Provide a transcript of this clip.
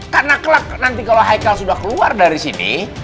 karena kelak nanti kalau haikal sudah keluar dari sini